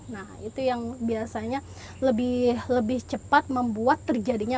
nah itu yang biasanya lebih cepat membuat terjadinya